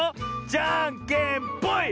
じゃんけんぽい！